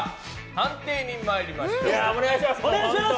判定に参りましょう。